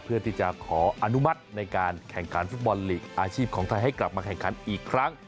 เพื่อที่จะขออนุมัติในการแข่งขันฟุตบอลลีกอาชีพของไทยให้กลับมาแข่งขันอีกครั้ง